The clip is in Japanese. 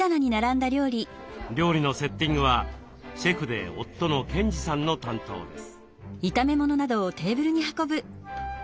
料理のセッティングはシェフで夫の賢治さんの担当です。